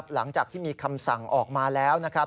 หลังจากที่มีคำสั่งออกมาแล้วนะครับ